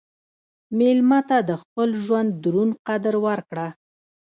مېلمه ته د خپل ژوند دروند قدر ورکړه.